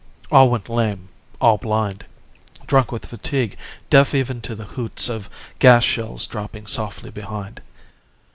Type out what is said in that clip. All went lame, all blind; Drunk with fatigue; deaf even to the hoots Of gas shells dropping softly behind.